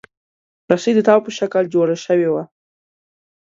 رسۍ د تاو په شکل جوړه شوې وي.